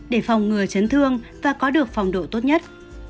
để phòng ngừa chấn thương và có được phòng độ tốt nhất